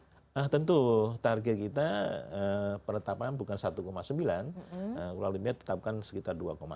nah tentu target kita penetapan bukan satu sembilan kurang lebihnya tetapkan sekitar dua lima